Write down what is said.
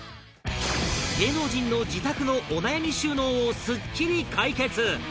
芸能人の自宅のお悩み収納をすっきり解決